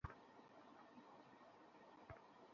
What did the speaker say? তাদেরকে বলো মেয়েটাকে ছেড়ে দিতে।